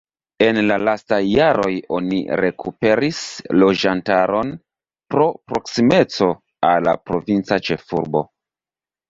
En la lastaj jaroj oni rekuperis loĝantaron pro proksimeco al la provinca ĉefurbo.